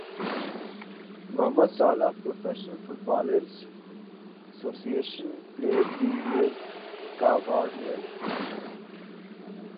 Muhammad Salah professional footballers association player the year کا award لے اڑے